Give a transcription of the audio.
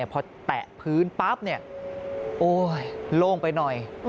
พอแตะพื้นปั๊บเนี่ยโอ้ยโล่งไปหน่อย